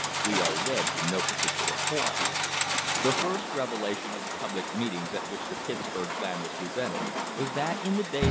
We are wed ! to no particular form." The first revelation of the public meetings at which the "Pittsburg Plan" was presented was that in the days Mr. * See Appendix, Number 15.